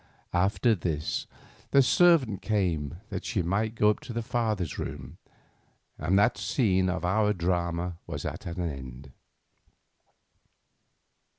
After this the servant came to say that she might go up to her father's room, and that scene of our drama was at an end.